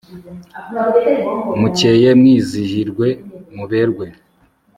mukeye mwizihirwe muberwe